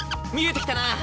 見えてきたな。